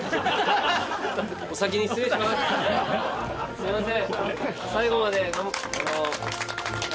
すいません。